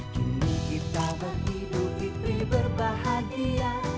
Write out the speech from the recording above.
kini kita beridul fitri berbahagia